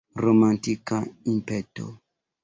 Romantika impeto.